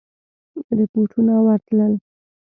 رپوټونه ورتلل.